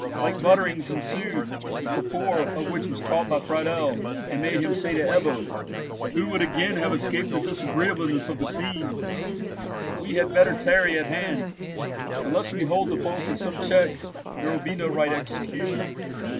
Like mutterings ensued, the purport of which was caught by Friedel, and made him say to Ebbo, who would again have escaped the disagreeableness of the scene, "We had better tarry at hand. Unless we hold the folk in some check there will be no right execution.